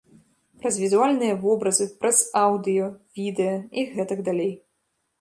Праз візуальныя вобразы, праз аўдыё, відэа і гэтак далей.